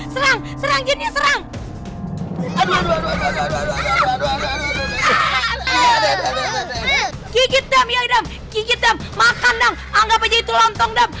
serang serang gini serang aduh aduh aduh aduh kita tidak makanan angga baju itu lontong dan